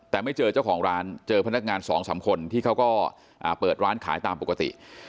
แต่ไม่เจอเจ้าของร้านเจอพนักงานสองสามคนที่เขาก็เปิดร้านขายตามปกติ